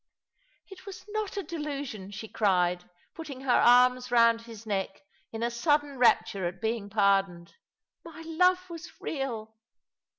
''It was not a delusion," she cried, pntting her arms ronnd his neck, in a sudden rapture at being pardoned. " My love was real."